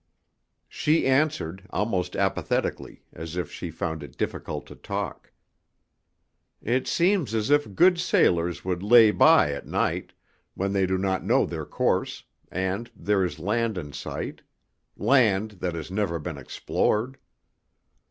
She answered almost apathetically, as if she found it difficult to talk, "It seems as if good sailors would lay by at night, when they do not know their course, and there is land in sight, land that has never been explored."